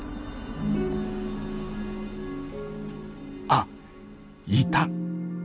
あっいた！